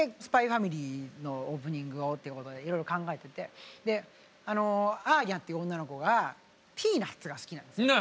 「ＳＰＹ×ＦＡＭＩＬＹ」のオープニングをっていうことでいろいろ考えててアーニャっていう女の子がピーナッツが好きなんです。